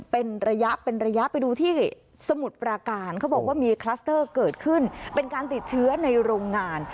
เป็นการติดเชื้อในโรงงาน